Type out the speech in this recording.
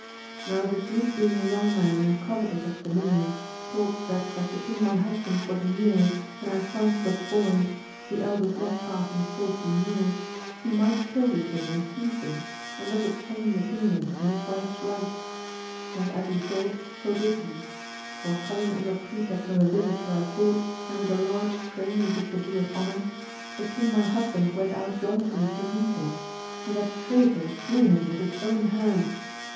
Now, the duke being a young man and covetous of dominion, thought that as the king my husband was in years, and our sons but boys, the eldest not passing fourteen years he might kill the king and seize them, and thus obtain 266 AMADIS OF GAUL. the kingdom in his wife's right: and as he thought, so did he ; for, coming under pretext of a visit to our court, and with a large train, as if to do us honour, the king my husband went out joyfully to meet him, and that traitor slew him with his own hand.